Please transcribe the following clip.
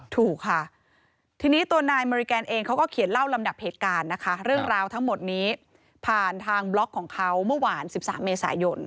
ถูกค่ะทีนี้ตัวนายมาริแกนเองเขาก็เขียนเล่าลำดับเหตุการณ์นะคะเรื่องราวทั้งหมดนี้ผ่านทางบล็อกของเขาเมื่อวาน๑๓เมษายน